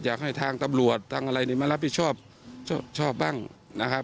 ทางตำรวจทางอะไรมารับผิดชอบชอบบ้างนะครับ